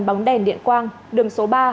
bóng đèn điện quang đường số ba